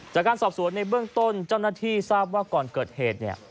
จากการสอบสวนในเบื้องต้นเจ้าหน้าที่ทราบว่าก่อนเกิดเหตุเนี่ย